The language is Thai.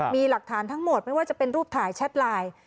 มีหลักฐานทั้งหมดไม่ว่าจะเป็นรูปถ่ายแชทไลน์